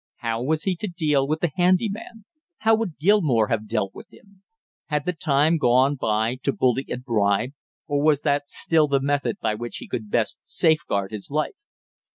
How was he to deal with the handy man; how would Gilmore have dealt with him? Had the time gone by to bully and bribe, or was that still the method by which he could best safeguard his life?